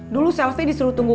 dulu selfie disuruh tunggu